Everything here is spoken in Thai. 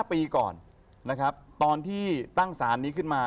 ปีก่อนนะครับตอนที่ตั้งสารนี้ขึ้นมา